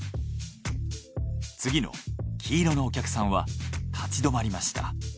次の黄色のお客さんは立ち止まりました。